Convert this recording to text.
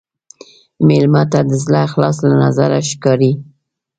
مېلمه ته د زړه اخلاص له نظره ښکاري.